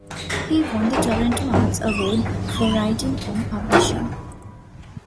He won the Toronto Arts award for writing and publishing.